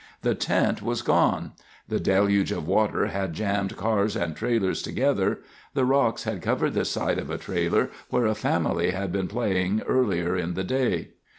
The tent was gone. The deluge of water had jammed cars and trailers together. The rocks had covered the site of a trailer where a family had been playing earlier in the day.